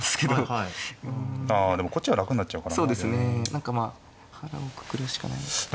何かまあ腹をくくるしかないのか。